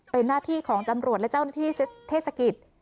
เป็นหน้าที่ของตำรวจและเจ้าหน้าที่เทศกิจ